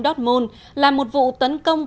dortmund là một vụ tấn công